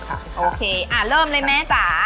ค่ะโอเคอ่าเลิกเลยแม่จ๊ะ